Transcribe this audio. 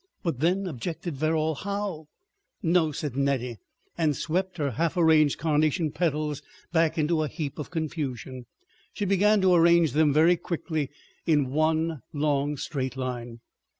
"But then," objected Verrall, "how———?" "No," said Nettie, and swept her half arranged carnation petals back into a heap of confusion. She began to arrange them very quickly into one long straight line.